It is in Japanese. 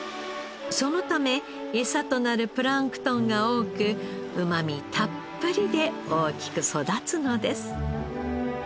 そのためエサとなるプランクトンが多くうまみたっぷりで大きく育つのです。